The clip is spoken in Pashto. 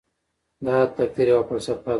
دا د تقدیر یوه فلسفه ده.